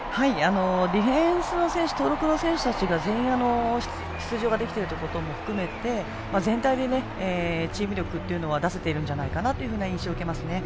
ディフェンスの登録選手たち全員が出場できていることも含めて全体でチーム力は出しているんじゃないかなという印象は受けますね。